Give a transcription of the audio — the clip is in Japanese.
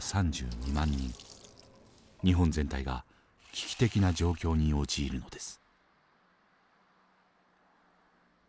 日本全体が危機的な状況に陥るのです。